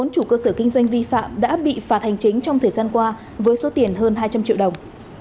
bốn chủ cơ sở kinh doanh vi phạm đã bị phạt hành chính trong thời gian qua với số tiền hơn hai trăm linh triệu đồng